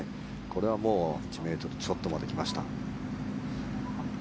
これはもう１ｍちょっとまで来ました。